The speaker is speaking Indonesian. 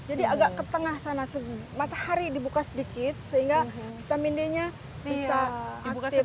jadi agak ke tengah sana matahari dibuka sedikit sehingga vitamin d nya bisa aktif